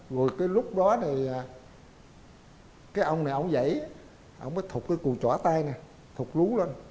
rồi cái lúc đó cái ông này ổng dậy ổng mới thụt cái cụ chỏ tay này thụt lú lên